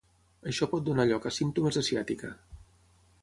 Això pot donar lloc a símptomes de ciàtica.